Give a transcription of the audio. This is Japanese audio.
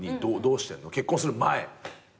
結婚する前。